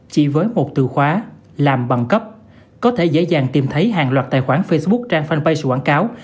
chỉ với một từ khóa làm bằng cấp có thể dễ dàng tìm thấy hàng loạt tài khoản facebook trang fanpage quảng cáo